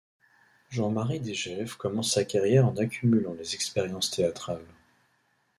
Jean-Marie Degèsves commence sa carrière en accumulant les expériences théâtrales.